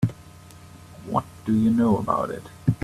What do you know about it?